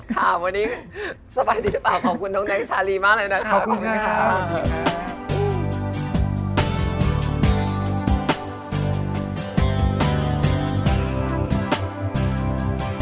ค่ะวันนี้สบายดีหรือเปล่า